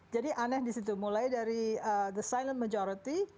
jadi aneh di situ mulai dari silent majority